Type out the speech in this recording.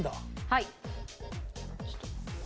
はい。